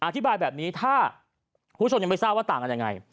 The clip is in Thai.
อธิบายแบบนี้ถ้าคุณผู้ชมยังไม่ทราบว่าต่างกันยังไง